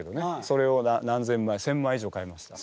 それを何千枚１，０００枚以上買いました。